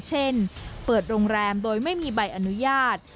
เช่นเปิดโรงแรมโดยไม่มีใบอนุญาต